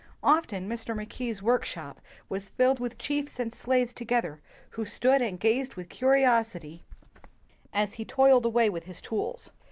Often Mr. Mackay 's workshop was filled with chiefs and slaves together, who stood and gazed with curi osity as he toiled away with his tools.